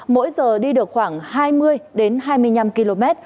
mỗi giờ đi được khoảng hai mươi đến hai mươi năm km